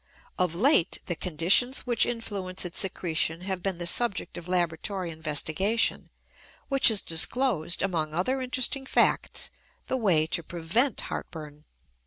Of late, the conditions which influence its secretion have been the subject of laboratory investigation, which has disclosed, among other interesting facts, the way to prevent heartburn.